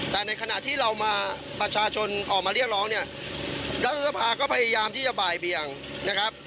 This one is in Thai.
แต่ในขณะที่เรามาประชาชนออกมาเรียกร้องเนี่ยรัฐสภาก็พยายามที่จะบ่ายเบียงนะครับ